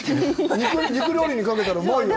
肉料理にかけたらうまいよね。